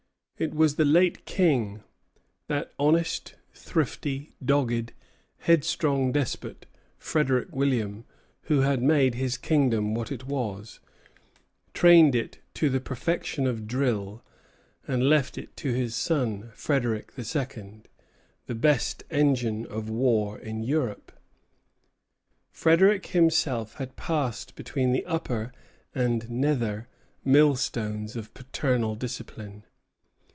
It was the late King, that honest, thrifty, dogged, headstrong despot, Frederic William, who had made his kingdom what it was, trained it to the perfection of drill, and left it to his son, Frederic II. the best engine of war in Europe. Frederic himself had passed between the upper and nether millstones of paternal discipline.